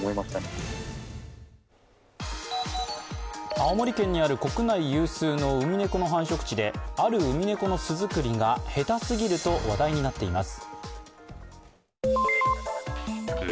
青森県にある国内有数のウミネコの繁殖地であるウミネコの巣作りが下手すぎると話題になっています。